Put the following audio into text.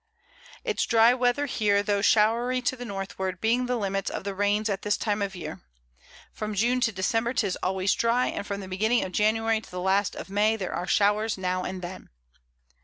It's dry Weather here, tho' showry to the Northward, being the Limits of the Rains at this time of the Year. From June to December 'tis always dry, and from the Beginning of January to the last of May there are Showers now and then.